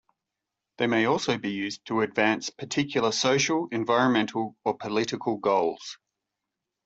They may also be used to advance particular social, environmental, or political goals.